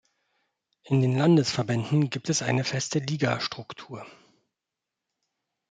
In den Landesverbänden gibt es eine feste Ligastruktur.